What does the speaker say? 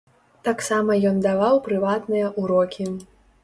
Таксама ён даваў прыватныя ўрокі.